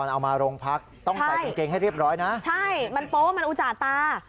เอามาโรงพักต้องใส่กางเกงให้เรียบร้อยนะใช่มันโป๊มันอุจจาตา